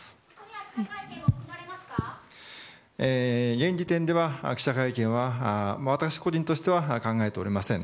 現時点では記者会見は私個人としては考えておりません。